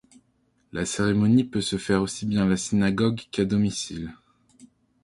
La cérémonie peut se faire aussi bien à la synagogue qu'à domicile.